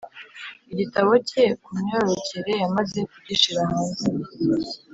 igitabo cye ku myororokere yamaze kugishira hanze